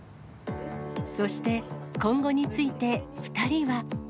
そして、今後について２人は。